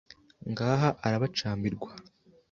Ngaha arabacambirwa